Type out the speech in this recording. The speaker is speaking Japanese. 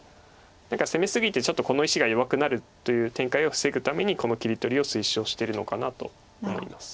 何か攻め過ぎてちょっとこの石が弱くなるという展開を防ぐためにこの切り取りを推奨してるのかなと思います。